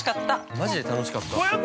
◆マジで楽しかった。